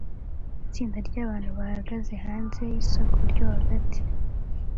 Itsinda ryabantu bahagaze hanze yisoko ryo hagati